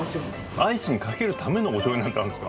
アイスにかけるためのお醤油なんてあるんですか？